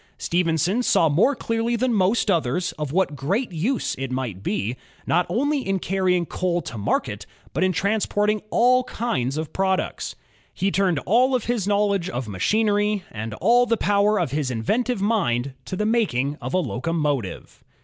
Stephenson saw more cleariy than most others of what great use it might be, not only in carrying coal to market, but in transporting all kinds of products. He turned all his knowledge of machinery, and all the power of his inventive mind, to the making of a locomotive.